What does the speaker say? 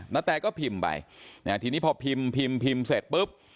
แตก็พิมพ์ไปทีนี้พอพิมพ์พิมพ์พิมพ์เสร็จปุ๊บ